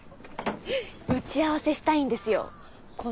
打ち合わせしたいんですよー。